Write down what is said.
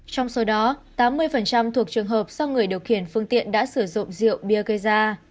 trong số đó tám mươi thuộc trường hợp do người điều khiển phương tiện đã sử dụng rượu bia gây ra